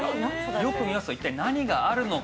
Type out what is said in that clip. よく見ますと一体何があるのか？